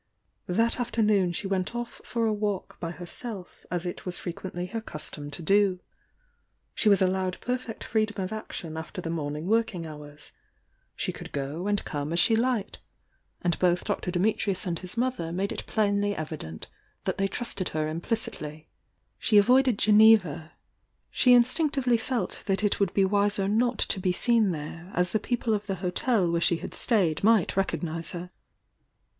That afternoon she went off for a walk by her self as it was frequently her custom to do. She was allowed perfect freedom of action after the morning working hours,— she could go and come as she liked. Jl L'. 216 THE YOUNG DIANA ^1 'iM — and both Dr. Dimitrius and his mother made it plainly evident that they trusted her implicitly. She avoided Geneva — she instinctively felt that it would be wiser not to be seen there, as the people of the hotel where she had stayed might recognise her.